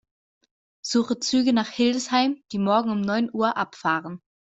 Suche Züge nach Hildesheim, die morgen um neun Uhr abfahren.